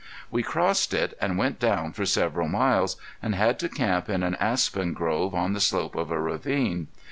We crossed it, and went down for several miles, and had to camp in an aspen grove, on the slope of a ravine.